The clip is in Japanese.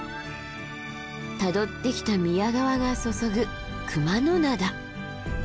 たどってきた宮川が注ぐ熊野灘。